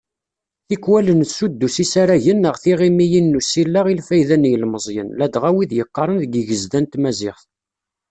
Tikwal nessuddus isaragen neɣ tiɣimiyin n usileɣ i lfayda n yilemẓiyen, ladɣa wid yeqqaren deg yigezda n tmaziɣt.